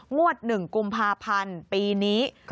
งวด๑กุมภาพันธ์ปีนี้